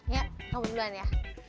ya kamu duluan ya